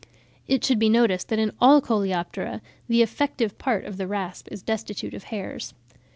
It should be noticed that in all Coleoptera the effective part of the rasp is destitute of hairs.